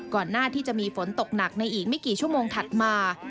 หน้าที่จะมีฝนตกหนักในอีกไม่กี่ชั่วโมงถัดมา